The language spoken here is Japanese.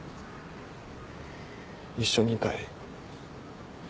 一緒にいたい。